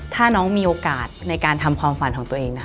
ถ้าน้องมีโอกาสในการทำความฝันของตัวเองนะ